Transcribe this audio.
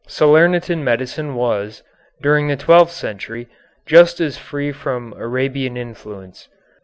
Salernitan medicine was, during the twelfth century, just as free from Arabian influence.